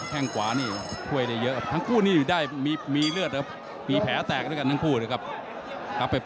แท่งขวาเนี้ยถ้วยเป็นเยอะ